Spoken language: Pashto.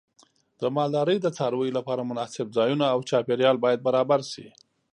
د مالدارۍ د څارویو لپاره مناسب ځایونه او چاپیریال باید برابر شي.